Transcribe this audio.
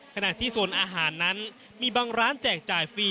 ขณะที่โซนอาหารนั้นมีบางร้านแจกจ่ายฟรี